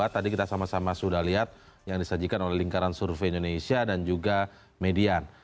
tadi kita sama sama sudah lihat yang disajikan oleh lingkaran survei indonesia dan juga median